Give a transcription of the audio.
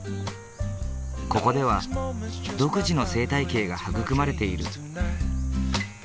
ここでは独自の生態系が育まれている。